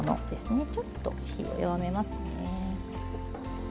ちょっと火を弱めますね。